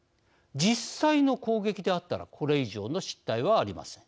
実際の攻撃であったらこれ以上の失態はありません。